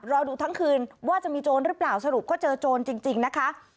รอดูทั้งคืนว่าจะมีโจรหรือเปล่าสรุปก็เจอโจรจริงนะคะ